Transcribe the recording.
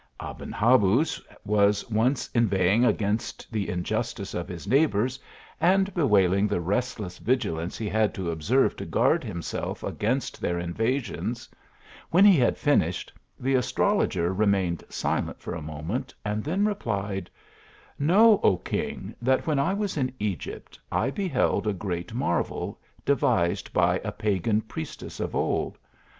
A ben Habuz was once inveighing against the injustice of his neighbours, and bewailing the restless vigilance he had to observe to guard himself against their invasions ; when he had fin ished, the astrologer remained silent for a moment, &nd then replied, " Know, O king, that when I was in Egypt I beheld a great marvel devised by a pagan priestess of old.